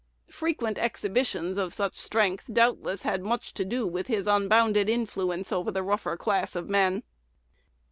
Frequent exhibitions of such strength doubtless had much to do with his unbounded influence over the rougher class of men.